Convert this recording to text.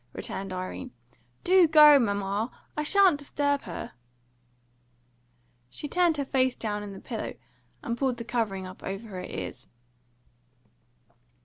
returned Irene. "Do go, mamma! I shan't disturb her." She turned her face down in the pillow, and pulled the covering up over her ears.